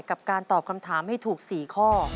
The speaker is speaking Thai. กับการตอบคำถามให้ถูก๔ข้อ